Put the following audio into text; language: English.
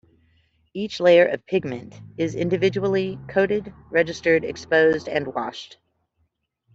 Each layer of pigment is individually coated, registered, exposed and washed.